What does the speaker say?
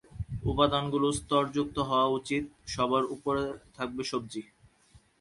উপাদানগুলি স্তরযুক্ত হওয়া উচিত, সবার উপরে থাকবে সবজি।